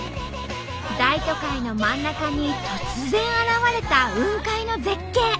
大都会の真ん中に突然現れた雲海の絶景。